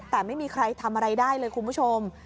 แต่ไม่มีใครทำอะไรได้เลยคุณผู้ชม